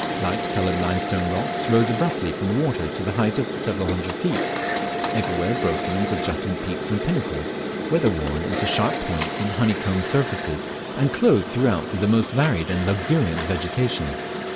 Light coloured limestone rocks rose abruptly from the water to the height of several hundred feet, everywhere broken into jutting peaks and pinnacles, weather worn into sharp points and honeycombed surfaces, and clothed throughout with a most varied and luxuriant vegetation.